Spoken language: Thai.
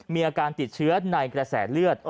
มีอาการติดเชื้อในกระแสเลือด